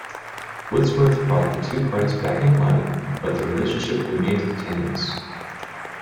Woodsworth brought the two parties back in alignment, but their relationship remained tenuous.